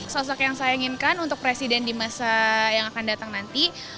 sosok yang saya inginkan untuk presiden di masa yang akan datang nanti